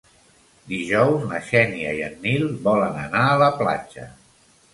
Dijous na Xènia i en Nil volen anar a la platja.